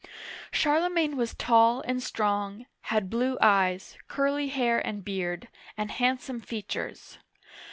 Charlemagne was tall and strong, had blue eyes, curly hair and beard, and handsome features.